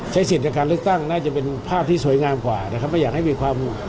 สิทธิ์ในการเลือกตั้งน่าจะเป็นภาพที่สวยงามกว่านะครับไม่อยากให้มีความ